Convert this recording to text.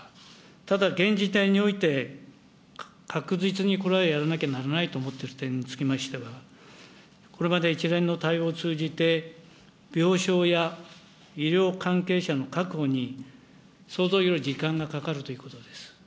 ただ現時点において、確実にこれはやらなきゃならないと思っている点については、これまで一連の対応を通じて、病床や医療関係者の確保に、相当時間がかかるということです。